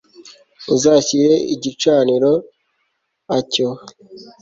Uzashyire igicaniro a cyo